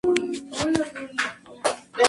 Es originario de Assam hasta el oeste de Malasia.